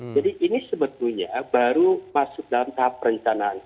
jadi ini sebetulnya baru masuk dalam tahap perencanaan